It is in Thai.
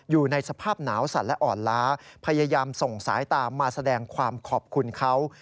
อยู่ในสภาพหนาวสั่นและอ่อนล้าพยายามส่งสายตามาแสดงความขอบคุณเขา